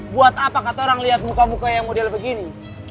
buat apa katorang lihat muka muka yang model begini